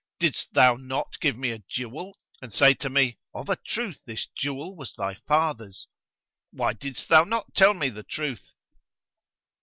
Didst thou not give me a jewel and say to me, 'Of a truth this jewel was thy father's?' Why didst thou not tell me the truth?"